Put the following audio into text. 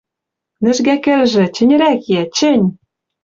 Нӹжгӓ кӹлжӹ, чӹньӹрӓк йӓ, чӹнь!